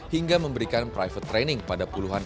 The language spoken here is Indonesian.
hingga memberikan private training pada puluhan